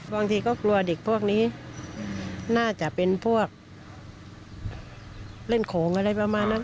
บางทีก็กลัวเด็กพวกนี้น่าจะเป็นพวกเล่นโขงอะไรประมาณนั้น